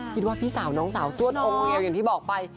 คิดว่าพี่สาวน้องสาวสวดองค์อย่างที่บอกไป